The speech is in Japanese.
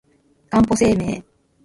かんぽ生命